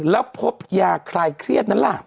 แล้วพบยาคลายเครียดนั้นล่ะ